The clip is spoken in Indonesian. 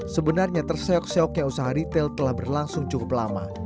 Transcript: sebenarnya terseok seoknya usaha retail telah berlangsung cukup lama